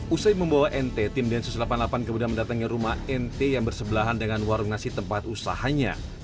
usai membawa nt tim densus delapan puluh delapan kemudian mendatangi rumah nt yang bersebelahan dengan warung nasi tempat usahanya